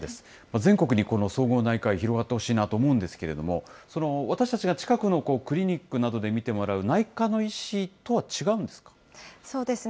全国にこの総合内科医、広がってほしいなと思うんですけれども、私たちが近くのクリニックなどで診てもらう内科の医師とは違うんそうですね。